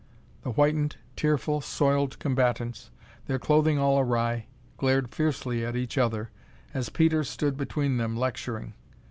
The whitened, tearful, soiled combatants, their clothing all awry, glared fiercely at each other as Peter stood between them, lecturing.